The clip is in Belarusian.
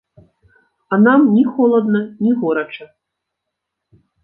А нам ні холадна, ні горача.